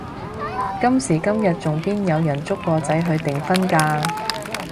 今時今日仲邊有人捉個仔去訂婚㗎？